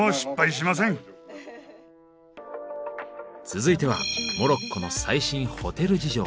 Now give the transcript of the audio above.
続いてはモロッコの最新ホテル事情。